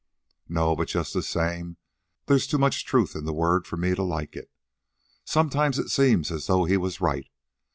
"No; but just the same there's too much truth in the word for me to like it. Sometimes it seems as though he was right.